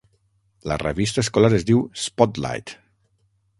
La revista escolar es diu "Spotlight".